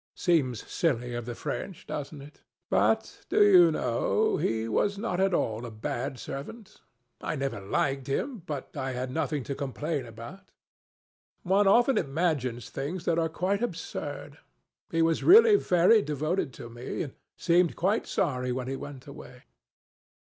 It seems silly of the French, doesn't it? But—do you know?—he was not at all a bad servant. I never liked him, but I had nothing to complain about. One often imagines things that are quite absurd. He was really very devoted to me and seemed quite sorry when he went away.